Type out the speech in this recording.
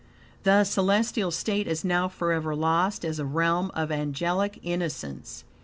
The celestial state is now forever lost as a realm of angelic innocence.